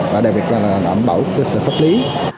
và đặc biệt là đảm bảo cơ sở pháp lý